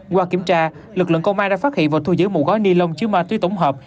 qua kiểm tra lực lượng công an đã phát hiện và thu giữ một gói ni lông chứa ma túy tổng hợp